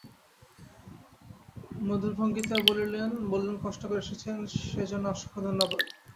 মধুর ভঙ্গিতে বললেন, কষ্ট করে এসেছেন সে জন্যে অসংখ্য ধন্যবাদ।